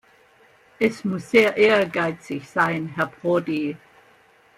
Es muss sehr ehrgeizig sein, Herr Prodi.